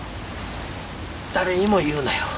誰にも言うなよ。